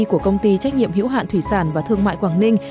của công ty trách nhiệm hữu hạn thủy sản và thương mại quảng ninh